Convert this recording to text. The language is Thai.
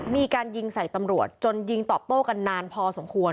มีการยิงใส่ตำรวจจนยิงตอบโต้กันนานพอสมควร